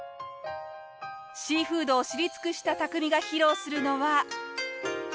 シーフードを知り尽くした匠が披露するのは。